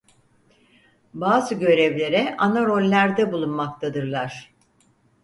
Bazı görevlere ana rollerde bulunmaktadırlar.